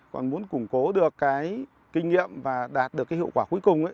còn muốn củng cố được cái kinh nghiệm và đạt được cái hiệu quả cuối cùng ấy